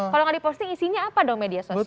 kalau gak diposting isinya apa dong media sosial kita